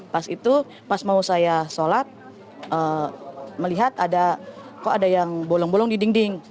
pas itu pas mau saya sholat melihat ada kok ada yang bolong bolong di dinding